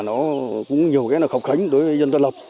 nó cũng nhiều cái là khọc khánh đối với dân tân lộc